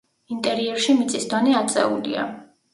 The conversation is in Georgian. ინტერიერში მიწის დონე აწეულია.